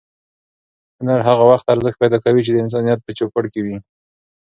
هنر هغه وخت ارزښت پیدا کوي چې د انسانیت په چوپړ کې وي.